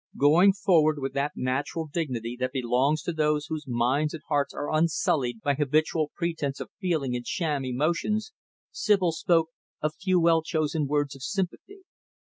Going forward, with that natural, dignity that belongs to those whose minds and hearts are unsullied by habitual pretense of feeling and sham emotions, Sibyl spoke a few well chosen words of sympathy.